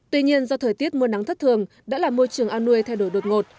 tuy nhiên do thời tiết mưa nắng thất thường đã làm môi trường ao nuôi thay đổi đột ngột